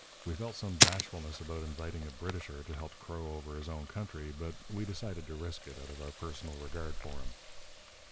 We felt some bashfulness about inviting a Britisher to help crow over his own country, but we decided to risk it, out of our personal regard for him.